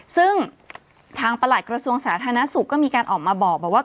ซึ่งทางประหลัดกระทรวงสาธารณสุขก็มีการออกมาบอกว่า